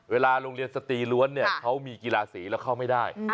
เวลาโรงเรียนสตรีล้วนเนี่ยเขามีกีฬาสีแล้วเข้าไม่ได้